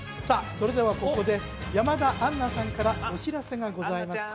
それではここで山田杏奈さんからお知らせがございます